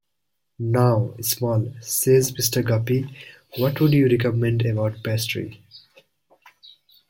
"Now, Small," says Mr. Guppy, "what would you recommend about pastry?"